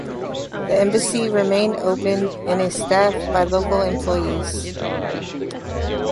The embassy remained open and is staffed by local employees.